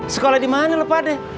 sekolah di mana lo pada